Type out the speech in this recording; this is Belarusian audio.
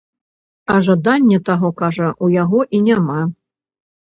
А жаданне таго, кажа, у яго і няма.